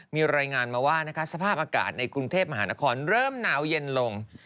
มีรายงานมาว่าสภาพอากาศในกรุงเทพมหานครเริ่มหนาวเย็นลง